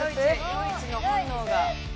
与一の本能が。